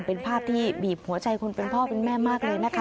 เป็นภาพที่บีบหัวใจคนเป็นพ่อเป็นแม่มากเลยนะคะ